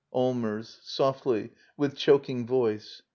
Allmers. [Softly, with choking voice.